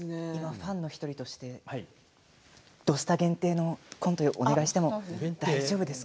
ファンの１人として「土スタ」限定のコントお願いしても大丈夫ですか？